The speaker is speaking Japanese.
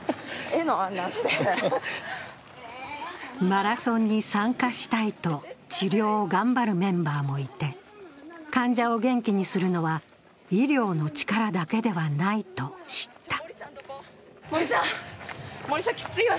マラソンに参加したいと治療を頑張るメンバーもいて、患者を元気にするのは医療の力だけではないと知った。